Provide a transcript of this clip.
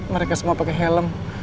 mereka semua pakai helm